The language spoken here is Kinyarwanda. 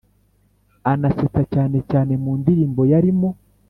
anasetsa cyane cyane mu ndilimbo yarimo